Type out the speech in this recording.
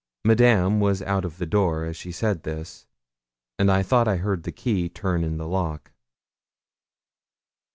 Madame was out of the door as she said this, and I thought I heard the key turn in the lock.